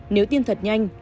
nếu tin thật nhanh